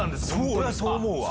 俺はそう思うわ。